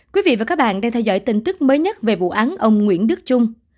quý vị và các bạn đang theo dõi tin tức mới nhất về vụ án ông nguyễn đức trung